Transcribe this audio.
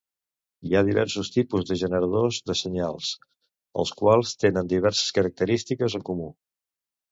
Hi ha diversos tipus de generadors de senyals, els quals tenen diverses característiques en comú.